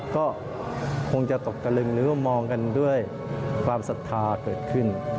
ก็คงจะตกตะลึงหรือว่ามองกันด้วยความศรัทธาเกิดขึ้น